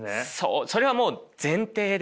それはもう前提で。